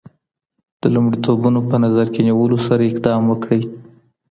د لومړيتوبونو په نظر کي نيولو سره اقدام وکړئ